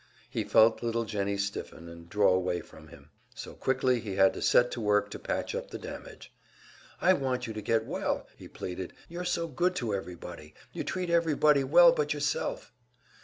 He felt little Jennie stiffen, and draw away from him; so quickly he had to set to work to patch up the damage. "I want you to get well," he pleaded. "You're so good to everybody you treat everybody well but yourself!"